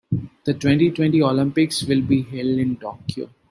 The twenty-twenty Olympics will be held in Tokyo.